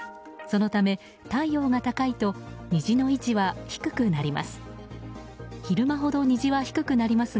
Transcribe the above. そのため、太陽が高いと虹の位置は低くなります。